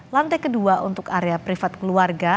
lantai kedua untuk area privat keluarga